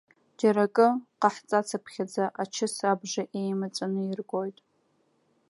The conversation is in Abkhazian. Џьара акы ҟаҳҵацыԥхьаӡа, ачыс абжа еимҵәаны иргоит!